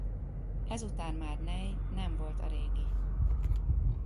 Ezután már Ney nem volt a régi.